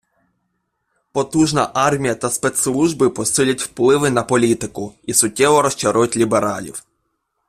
Потужна армія та спецслужби посилять впливи на політику і суттєво розчарують лібералів.